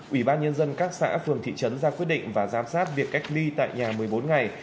ủy ban nhân dân các xã phường thị trấn ra quyết định và giám sát việc cách ly tại nhà một mươi bốn ngày